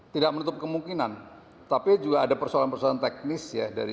tidak menutup kemungkinan tapi juga ada persoalan persoalan teknis ya